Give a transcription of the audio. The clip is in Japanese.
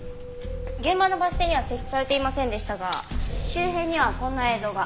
現場のバス停には設置されていませんでしたが周辺にはこんな映像が。